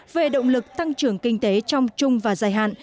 về động lực tăng trưởng kinh tế trong chung và dài hạn